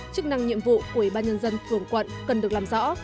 chức năng nhiệm vụ của ủy ban nhân dân phường quận cần được làm rõ